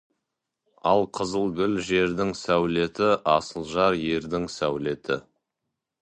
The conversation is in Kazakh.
Алқызыл гүл — жердің сәулеті, асыл жар — ердің сәулеті.